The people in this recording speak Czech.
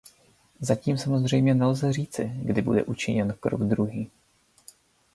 Zatím samozřejmě nelze říci, kdy bude učiněn krok druhý.